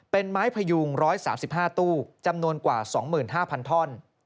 เป็นไม้พยุง๑๓๕ตู้จำนวนกว่า๒๕๐๐ท่อน